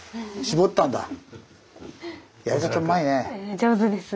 上手ですね。